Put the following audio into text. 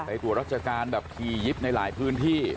ตรวจราชการแบบขี่ยิบในหลายพื้นที่